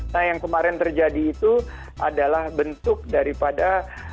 nah yang kemarin terjadi itu adalah bentuk daripada